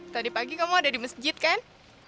tadi pagi kamu ada di masjid kan